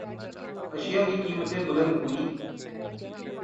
اشیا کی قیمتیں بلند ہوئیں